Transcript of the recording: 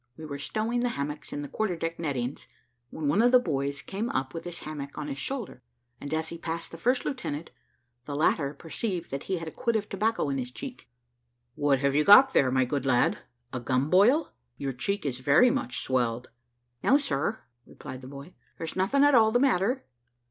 We were stowing the hammocks in the quarter deck nettings, when one of the boys came up with his hammock on his shoulder, and as he passed the first lieutenant, the latter perceived that he had a quid of tobacco in his cheek. "What have you got there, my good lad a gum boil? your cheek is very much swelled." "No, sir," replied the boy, "there's nothing at all the matter."